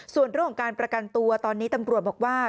ส่วนเรื่องของการประกันตัวตอนนี้ตำรวจบอกว่า